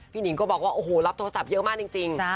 หนิงก็บอกว่าโอ้โหรับโทรศัพท์เยอะมากจริง